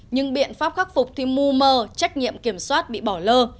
nhưng biện pháp khắc phục thì mu mờ trách nhiệm kiểm soát bị bỏ lơ